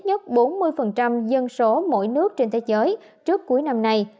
ngoài ra who muốn tiêm chủng cho ít nhất bốn mươi dân số mỗi nước trên thế giới trước cuối năm này